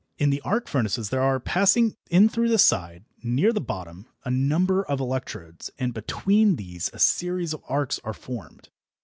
In the "arc furnaces" there are, passing in through the side, near the bottom, a number of electrodes, and between these a series of arcs are formed.